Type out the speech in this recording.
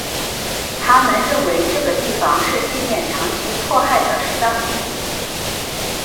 他们认为这个地方是纪念长期迫害的适当地点。